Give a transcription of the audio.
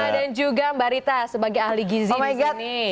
dan juga mbak rita sebagai ahli gizi di sini